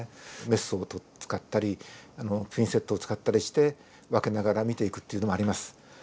メスを使ったりピンセットを使ったりして分けながら見ていくというのもあります。